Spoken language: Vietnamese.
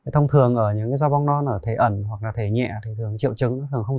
thông thường ở những do bong non ở thể ẩn hoặc là thể nhẹ thì thường triệu chứng nó thường không